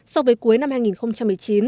so với cuối năm hai nghìn một mươi chín